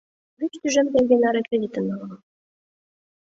Вич тӱжем теҥге наре кредитым налын.